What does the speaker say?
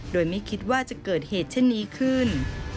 โดยไม่คิดว่าจะเกิดเหตุเช่นนี้ขึ้น